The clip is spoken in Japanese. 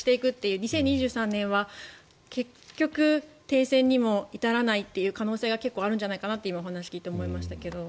２０２３年は結局、停戦にも至らないという可能性が結構あるんじゃないかと今お話を聞いて思いましたが。